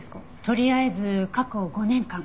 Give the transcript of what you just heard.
とりあえず過去５年間。